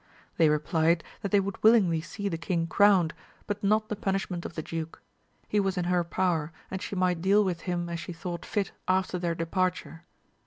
They replied, that they would wilUngly see the king crowned, but not the punishment of the duke ; he was in her power, and she might deal with him as she thought fit after their departure.